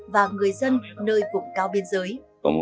và người dân nơi vùng cao biên giới